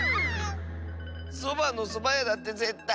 「そばのそばや」だってぜったいこわいよ